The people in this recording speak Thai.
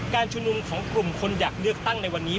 การชุมนุมของกลุ่มคนอยากเลือกตั้งในวันนี้